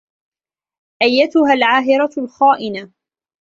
أيّتها العاهرة الخائنة.